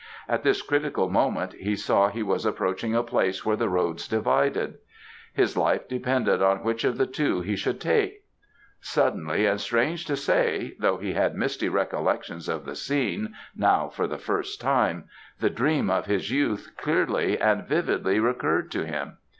At this critical moment, he saw he was approaching a place where the roads divided; his life depended on which of the two he should take; suddenly, and strange to say, though he had misty recollections of the scene, now for the first time, the dream of his youth clearly and vividly recurred to him.